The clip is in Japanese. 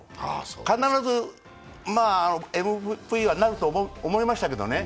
必ずＭＶＰはなると思いましたけどね